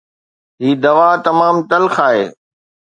هي دوا تمام تلخ آهي